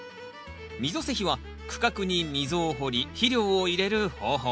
溝施肥は区画に溝を掘り肥料を入れる方法。